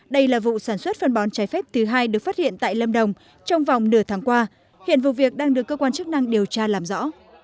đây là vụ sản xuất phân bón trái phép thứ hai được phát hiện tại lâm đồng trong vòng nửa tháng qua hiện vụ việc đang được cơ quan chức năng điều tra làm rõ